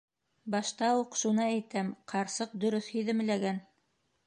Башта уҡ шуны әйтәм: ҡарсыҡ дөрөҫ һиҙемләгән.